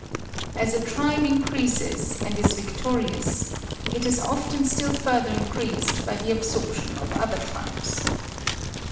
As a tribe increases and is victorious, it is often still further increased by the absorption of other tribes.